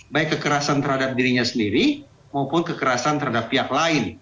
baik kekerasan terhadap dirinya sendiri maupun kekerasan terhadap pihak lain